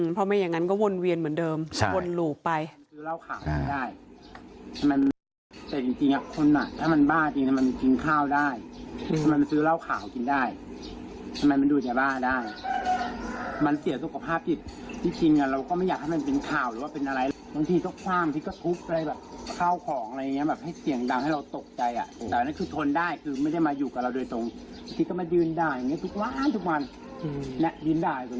เพราะไม่อย่างงั้นก็วนเวียนเหมือนเดิมวนหลูกไป